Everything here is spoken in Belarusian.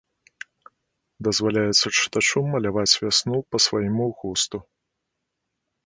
Дазваляецца чытачу маляваць вясну па свайму густу.